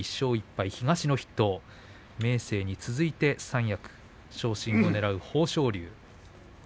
東の筆頭、豊昇龍明生に続いて三役昇進をねらう豊昇龍。